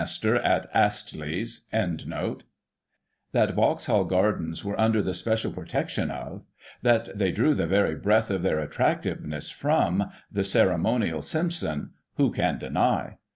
*" That Vauxhall Gardens were under the special protection of, that they drew the very breath of their attractiveness from, the ceremonial Simpson, who csui deny?